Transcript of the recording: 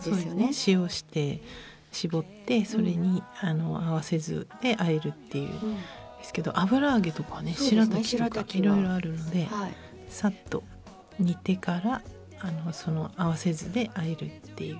塩して絞ってそれに合わせ酢であえるっていうですけど油揚げとかねしらたきとかいろいろあるのでさっと煮てからその合わせ酢であえるっていう。